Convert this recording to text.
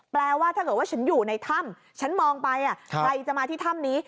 แปลว่าถ้าเกิดว่าฉันอยู่ในถ้ำฉันมองไปใครจะมาที่ถ้ำนี้